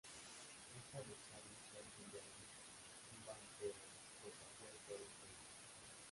Hija de Charles Henry Delano, un banquero, y su esposa Weed Florencia Ida.